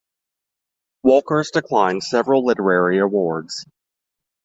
Wolkers declined several literary awards.